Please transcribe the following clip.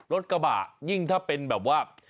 รถกระบะยิ่งถ้าเป็นแบบว่า